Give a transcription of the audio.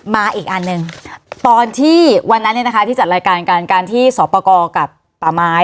มาอีกอันหนึ่งตอนที่วันนั้นเนี่ยนะคะที่จัดรายการกันการที่สอบประกอบกับป่าไม้